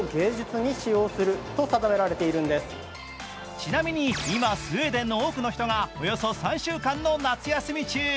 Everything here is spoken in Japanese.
ちなみに今、スウェーデンの多くの人がおよそ３週間の夏休み中。